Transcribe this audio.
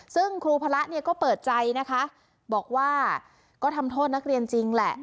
ซึ่งครูพระเนี่ยก็เปิดใจนะคะบอกว่าก็ทำโทษนักเรียนจริงแหละ